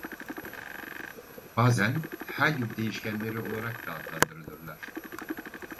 Bazen "helyum değişkenleri" olarak da adlandırılırlar.